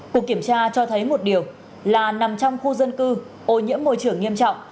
cuộc kiểm tra cho thấy một điều là nằm trong khu dân cư ô nhiễm môi trường nghiêm trọng